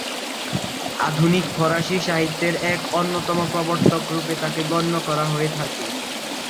আধুনিক ফরাসি সাহিত্যের এক অন্যতম প্রবর্তক রূপে তাকে গণ্য করা হয়ে থাকে।